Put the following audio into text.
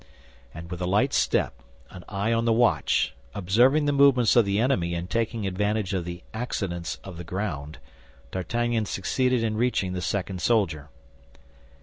And with a light step, an eye on the watch, observing the movements of the enemy and taking advantage of the accidents of the ground, D'Artagnan succeeded in reaching the second soldier.